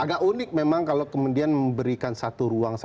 agak unik memang kalau kemudian memberikan satu ruang